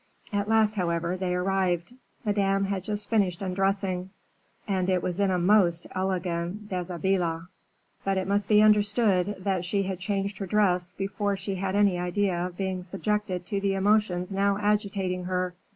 At last, however, they arrived. Madame had just finished undressing, and was in a most elegant deshabille, but it must be understood that she had changed her dress before she had any idea of being subjected to the emotions now agitating her.